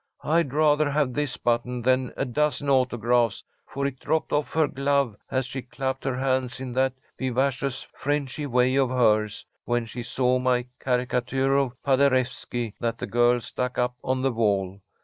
I'd rather have this button than a dozen autographs, for it dropped off her glove as she clapped her hands in that vivacious Frenchy way of hers, when she saw my caricature of Paderewski that the girls stuck up on the wall.